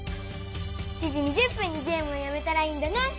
７時２０分にゲームをやめたらいいんだね！